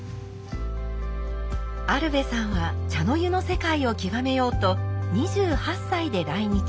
アルヴェさんは茶の湯の世界を極めようと２８歳で来日。